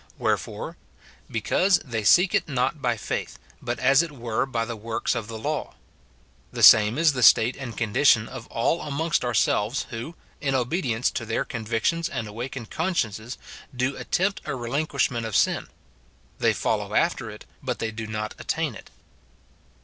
"Wherefore ?" Because they seek it not by faith, but as it were by the works of the law." The same is the state and condition of all amongst ourselves who, in obedience to their convictions and awakened consciences, do attempt 202 MORTIFICATION OP a relinquishment of sin ;— they follow after it, but they do not attain it.